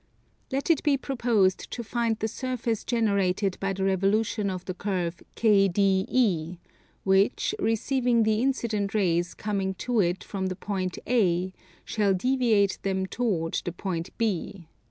Let it be proposed to find the surface generated by the revolution of the curve KDE, which, receiving the incident rays coming to it from the point A, shall deviate them toward the point B.